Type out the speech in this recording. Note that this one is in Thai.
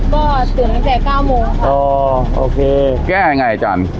ก็ตื่นตั้งแต่เก้าโมงค่ะอ๋อโอเคแก้ยังไงอาจารย์